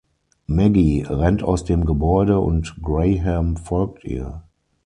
Maggie rennt aus dem Gebäude, und Graham folgt ihr.